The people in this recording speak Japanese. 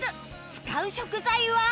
使う食材は